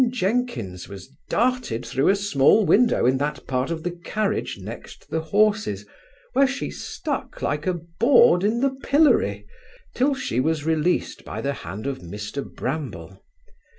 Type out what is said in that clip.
Jenkins was darted through a small window in that part of the carriage next the horses, where she stuck like a bawd in the pillory, till she was released by the hand of Mr Bramble.